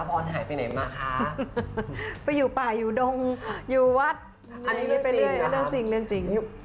ไปอยู่ป่าอยู่ดงอยู่วัดเรื่องจริง